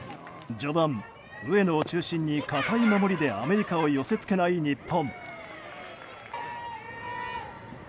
序盤、上野を中心に堅い守りでアメリカを寄せ付けない日本。